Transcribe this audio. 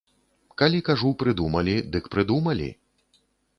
Калі кажу прыдумалі, дык прыдумалі!